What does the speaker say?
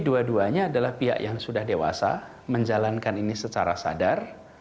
jadi dua duanya adalah pihak yang sudah dewasa menjalankan ini secara sadar